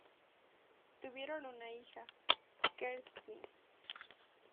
Tuvieron una hija, Kerstin.